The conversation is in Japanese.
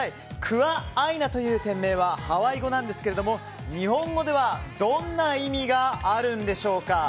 クア・アイナという店名はハワイ語なんですが、日本語ではどんな意味があるんでしょうか。